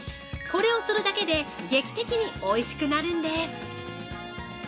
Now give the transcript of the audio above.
これをするだけで、劇的においしくなるんです！